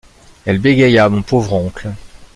Elle bégaya: — Mon pauvre oncle...